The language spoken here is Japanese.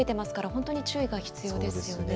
本当に注意が必要ですね。